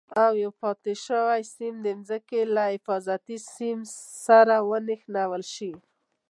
او یو پاتې شوی سیم د ځمکې له حفاظتي سیم سره ونښلول شي.